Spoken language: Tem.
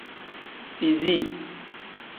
Fizi.